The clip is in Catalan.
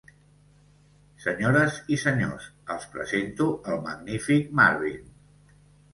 Senyores i senyors, els presento al magnífic Marvin.